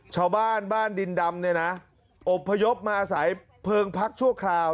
ชาวบ้านบ้านดินดำเนี่ยนะอบพยพมาอาศัยเพลิงพักชั่วคราว